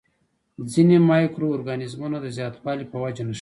ځینې مایکرو ارګانیزمونه د زیاتوالي په وجه نښلي.